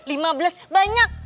lima belas banyak